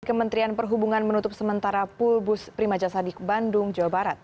kementerian perhubungan menutup sementara pulbus prima jasa di bandung jawa barat